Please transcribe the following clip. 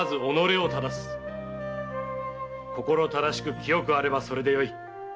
心正しく清くあればそれでよい。